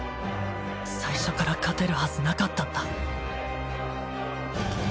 最初から勝てるはずなかったんだ